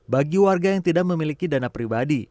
bagi warga yang tidak memiliki dana pribadi